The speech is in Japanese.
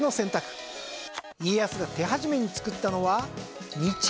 家康が手始めにつくったのは道？